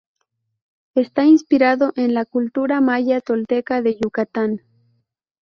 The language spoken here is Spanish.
Está inspirado en la cultura maya-tolteca de Yucatán.